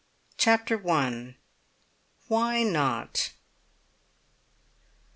CHAPTER ONE. WHY NOT?